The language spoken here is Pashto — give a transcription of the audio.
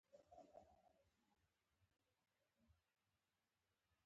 هلمند سیند شاوخوا څوارلس سوه کیلومتره اوږدوالی لري.